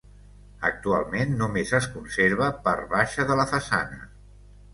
Actualment només es conserva part baixa de la façana.